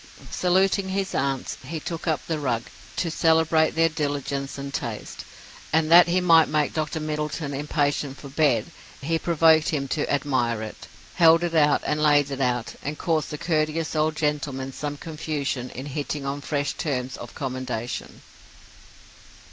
Saluting his aunts, he took up the rug, to celebrate their diligence and taste; and that he might make Dr. Middleton impatient for bed, he provoked him to admire it, held it out and laid it out, and caused the courteous old gentleman some confusion in hitting on fresh terms of commendation.